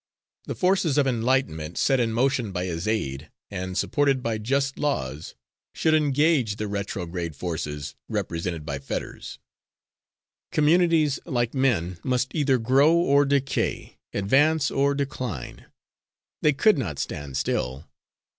The forces of enlightenment, set in motion by his aid, and supported by just laws, should engage the retrograde forces represented by Fetters. Communities, like men, must either grow or decay, advance or decline; they could not stand still.